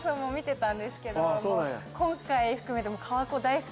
今回含めて。